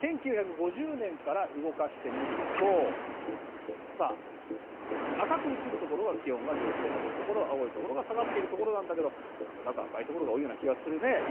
１９５０年から動かしてみるとさあ赤く映るところが気温が上昇しているところ青いところが下がっているところなんだけど何となく赤いところが多いような気がするね。